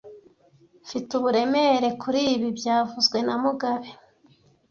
Mfite uburemere kuri ibi byavuzwe na mugabe